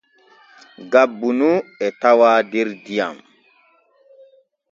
Gabbu nu e tawaa der diyam.